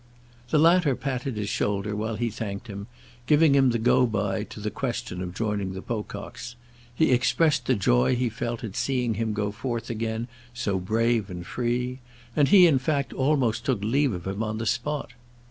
The latter patted his shoulder while he thanked him, giving the go by to the question of joining the Pococks; he expressed the joy he felt at seeing him go forth again so brave and free, and he in fact almost took leave of him on the spot.